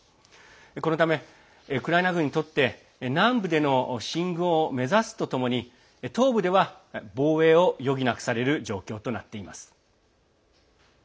このため、ウクライナ軍にとって南部での進軍を目指すとともに東部では防衛を余儀なくされる状況となっています。